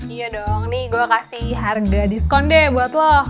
iya dong nih gue kasih harga diskon deh buat lo